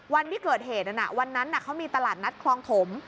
วันที่เกิดเหตุนั้นวันนั้นเขามีตลาดนัดคลองถม